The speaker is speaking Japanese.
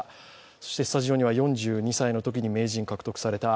そしてスタジオには４２歳のときに名人獲得をされました